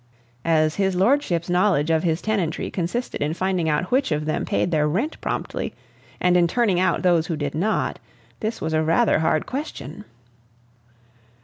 As his lordship's knowledge of his tenantry consisted in finding out which of them paid their rent promptly, and in turning out those who did not, this was rather a hard question.